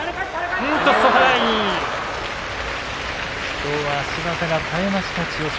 きょうは足技がさえました、千代翔